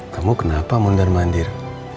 kamu kenapa mundur mandir